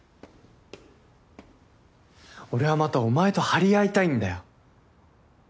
俺はまたお前と張り合いたいんだよ。